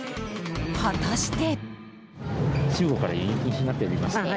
果たして。